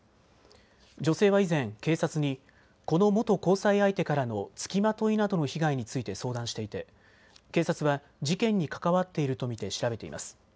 女性は以前、警察にこの元交際相手からのつきまといなどの被害について相談していて警察は事件に関わっていると見て調べています。